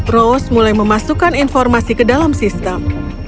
rose mulai memasukkan informasi ke dalam sistem